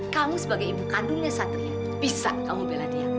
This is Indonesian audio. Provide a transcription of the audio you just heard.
kamu sebagai ibu kandungnya satria bisa kamu bela dia